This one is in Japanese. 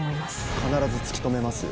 必ず突き止めますよ。